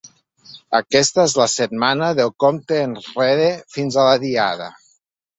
Aquesta és la setmana del compte enrere fins a la Diada.